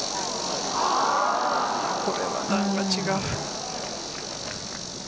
これは段が違う。